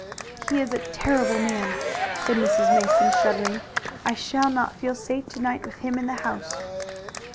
"He is a terrible man!" said Mrs. Mason, shuddering. "I shall not feel safe to night with him in the house."